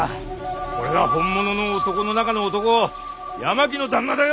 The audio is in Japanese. これが本物の男の中の男八巻の旦那だよ！